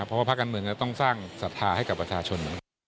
เพราะว่าภาคการเมืองจะต้องสร้างศรัทธาให้กับประชาชน